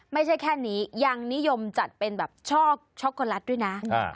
ไม่ใช่แค่นี้ยังนิยมจัดเป็นแบบช่อช็อกโกแลตด้วยนะ